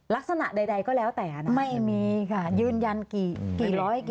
ลักษณะใดก็แล้วแต่นะไม่มีค่ะยืนยันกี่ร้อยกี่